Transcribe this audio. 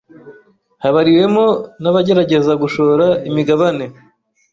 habariwemo n’abagerageza gushora imigabane